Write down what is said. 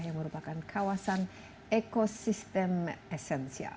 yang merupakan kawasan ekosistem esensial